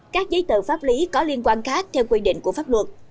các giấy tờ pháp lý có liên quan khác theo quy định của pháp luật